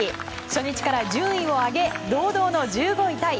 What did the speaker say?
初日から順位を上げ堂々の１５位タイ。